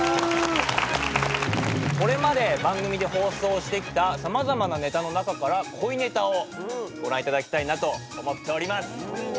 これまで番組で放送してきた様々なネタの中から恋ネタをご覧いただきたいなと思っております。